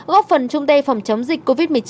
góp phần trung tây phòng chống dịch covid một mươi chín